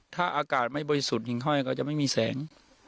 ถ้าอากาศไม่บริสุทธิ์หญิงห้อยก็จะไม่มีแสง